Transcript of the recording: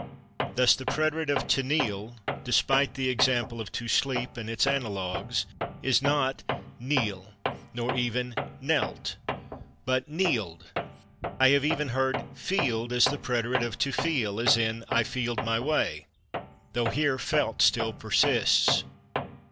Thus the preterite of /to kneel/, despite the example of /to sleep/ and its analogues, is not /knel'/, nor even /knelt/, but /kneeled/. I have even heard /feeled/ as the preterite of /to feel/, as in "I /feeled/ my way," though here /felt/ still persists.